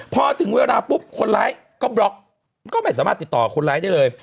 พอถึงเวลาปุ๊บคนร้ายก็บล็อกก็ไม่สามารถติดต่อคนร้ายได้เลย